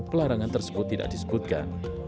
pelarangan tersebut tidak disebutkan